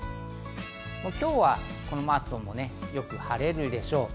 今日はこの後もよく晴れるでしょう。